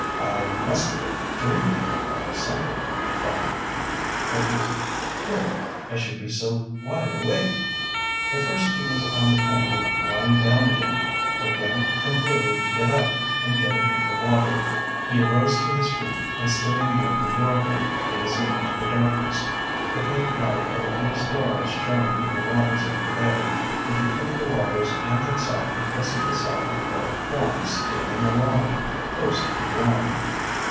"I must have been dreaming, or something," he thought. "But is queer I should be so wide.. awake." At first he was on the point of lying down again, but then concluded to get up and get a drink of water. He arose to his feet and stood in the open doorway, gazing into the darkness. The faint light of a few stars shone in the waters of the bay, and between the waters and himself he presently saw a dark form stealing along, close to the ground.